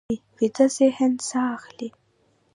ویده ذهن ساه اخلي